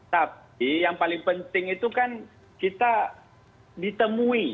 tapi yang paling penting itu kan kita ditemui